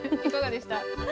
いかがでした？